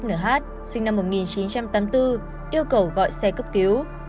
ông hát sinh năm một nghìn chín trăm tám mươi bốn yêu cầu gọi xe cấp cứu